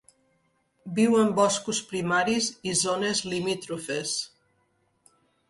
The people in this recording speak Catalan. Viu en boscos primaris i zones limítrofes.